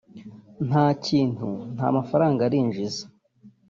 nta kintu nta mafaranga arinjiza